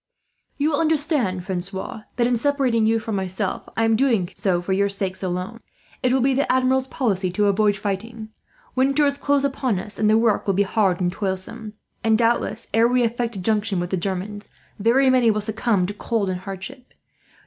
"You will understand, Francois, that in separating you from myself I am doing so for your sakes, alone. It will be the Admiral's policy to avoid fighting. Winter is close upon us, and the work will be hard and toilsome; and doubtless, ere we effect a junction with the Germans, very many will succumb to cold and hardship.